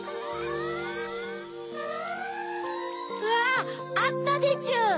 わぁあったでちゅ。